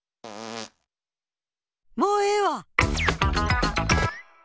もうええわ！